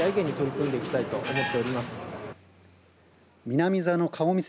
南座の顔見世